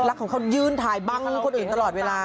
ของเขายืนถ่ายบังคนอื่นตลอดเวลา